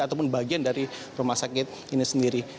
ataupun bagian dari rumah sakit ini sendiri